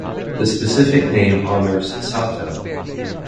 The specific name honours Sato.